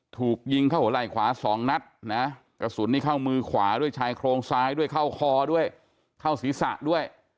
ถูกยิงเข้าหัวไหล่ขวาสองนัดนะกระสุนนี่เข้ามือขวาด้วยชายโครงซ้ายด้วยเข้าคอด้วยเข้าศีรษะด้วย